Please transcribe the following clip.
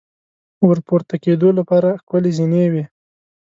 ور پورته کېدو لپاره ښکلې زینې وې.